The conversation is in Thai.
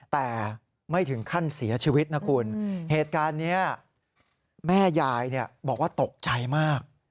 แต่ไม่ถึงขั้นเสียชีวิตนะคุณเหตุการณ์นี้แม่ยายบอกว่าตกใจมาก